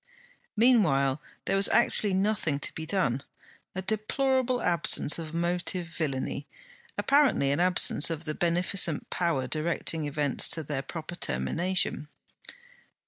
Meanwhile there was actually nothing to be done: a deplorable absence of motive villainy; apparently an absence of the beneficent Power directing events to their proper termination.